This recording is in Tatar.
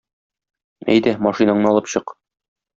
Әйдә, машинаңны алып чык.